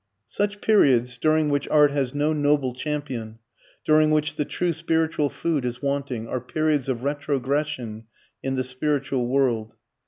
Such periods, during which art has no noble champion, during which the true spiritual food is wanting, are periods of retrogression in the spiritual world.